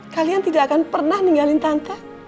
kalian tidak akan pernah ninggalin tante